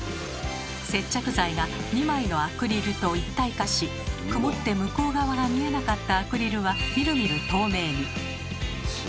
接着剤が２枚のアクリルと一体化し曇って向こう側が見えなかったアクリルはみるみる透明に。